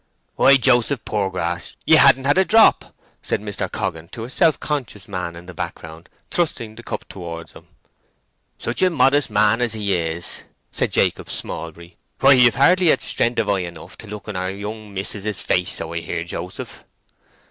"Why, Joseph Poorgrass, ye han't had a drop!" said Mr. Coggan to a self conscious man in the background, thrusting the cup towards him. "Such a modest man as he is!" said Jacob Smallbury. "Why, ye've hardly had strength of eye enough to look in our young mis'ess's face, so I hear, Joseph?"